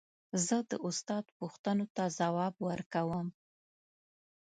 زه د استاد پوښتنو ته ځواب ورکوم.